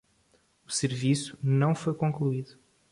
O serviço não foi concluído